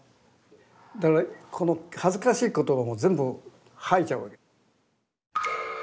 だからこの恥ずかしい言葉も全部吐いちゃうわけ。